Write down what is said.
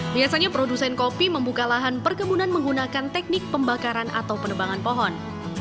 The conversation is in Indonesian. biasanya produsen kopi membuka lahan perkebunan menggunakan teknik pembakaran atau penebangan pohon